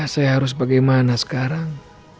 saya harus bagaimana sekarang